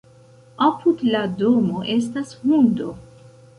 Apud la domo estas hundo.